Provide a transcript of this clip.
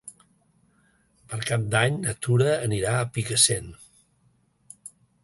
Per Cap d'Any na Tura anirà a Picassent.